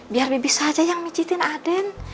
biar bebis aja yang micetin aden